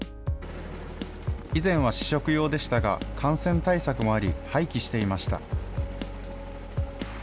以前は試食用でしたが、感染対策もあり、廃棄していました。